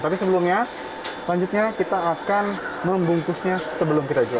tapi sebelumnya lanjutnya kita akan membungkusnya sebelum kita jual